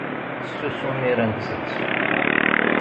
Ttsusum mi ara nttett.